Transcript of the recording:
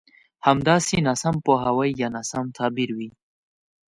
همداسې ناسم پوهاوی يا ناسم تعبير وي.